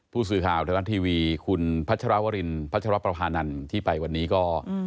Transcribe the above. ผู้สื่อข่าวไทยรัฐทีวีคุณพัชรวรินพัชรประพานันที่ไปวันนี้ก็